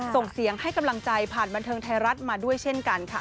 ส่งเสียงให้กำลังใจผ่านบันเทิงไทยรัฐมาด้วยเช่นกันค่ะ